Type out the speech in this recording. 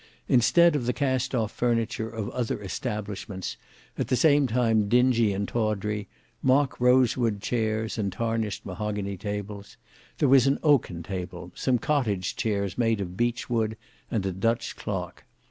Instead of the cast off furniture of other establishments, at the same time dingy and tawdry, mock rosewood chairs and tarnished mahogany tables, there was an oaken table, some cottage chairs made of beech wood, and a Dutch clock.